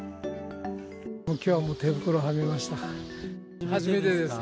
もうきょうは手袋はめました。